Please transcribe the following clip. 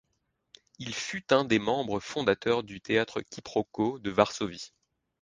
Il fut un des membres fondateurs du théâtre Qui Pro Quo de Varsovie.